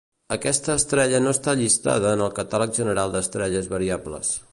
Aquesta estrella no està llistada en el Catàleg General d'Estrelles Variables.